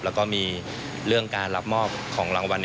แล้วก็มีเรื่องการรับมอบของรางวัล